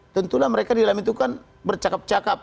tentulah mereka di dalam itu kan bercakap cakap